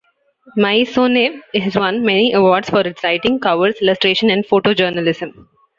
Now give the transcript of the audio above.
"Maisonneuve" has won many awards for its writing, covers, illustration and photojournalism.